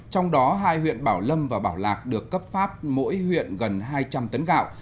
trong đó hai huyện bảo lâm và bảo lạc được cấp phát mỗi huyện gần hai trăm linh tấn gạo